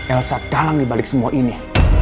elsa dalang dibalik semua ini